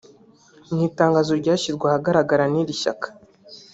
Mu itangazo ryashyizwe ahagaragara n’iri shyaka